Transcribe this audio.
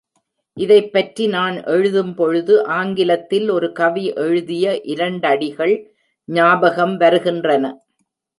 இதைப்பற்றி நான் எழுதும்பொழுது ஆங்கிலத்தில் ஒரு கவி எழுதிய இரண்டடிகள் ஞாபகம் வருகின்றன.